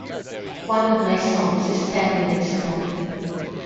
One of my songs is ten minutes long.